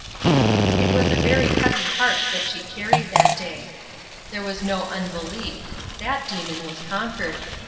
It was a very heavy heart that she carried that day. There was no unbelief; that demon was conquered.